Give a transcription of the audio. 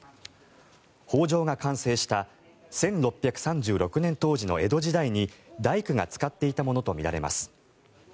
方丈が完成した１６３６年当時の江戸時代に大工が使っていたものとみられます。